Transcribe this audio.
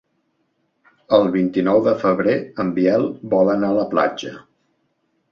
El vint-i-nou de febrer en Biel vol anar a la platja.